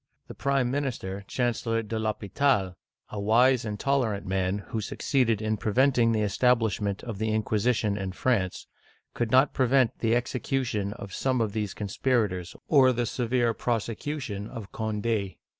The prime minister, Chancellor de L'Hdpital', — a wise and tolerant man, who succeeded in preventing the establishment of the inquisition in France, — could not prevent the execution of some of these conspirators, or the severe prosecution of Cond6.